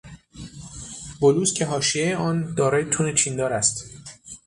بلوز که حاشیهی آن دارای توری چیندار است